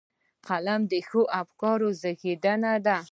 قلم د ښو افکارو زېږنده ده